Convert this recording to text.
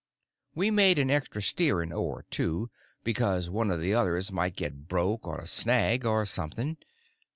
We made an extra steering oar, too, because one of the others might get broke on a snag or something.